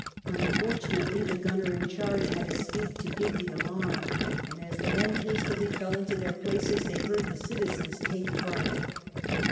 Unfortunately the gunner in charge had escaped to give the alarm, and as the men hastily fell into their places, they heard the citizens take fright.